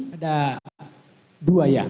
ada dua ya